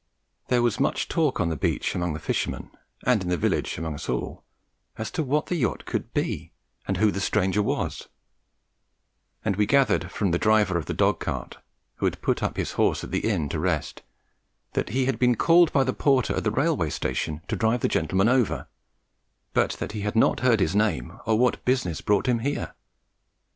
There was much talk on the beach among the fishermen and in the village among us all as to what the yacht could be and who the stranger was; and we gathered from the driver of the dog cart, who had put up his horse at the inn to rest, that he had been called by the porter at the railway station to drive the gentleman over; but that he had not heard his name, or what business brought him here.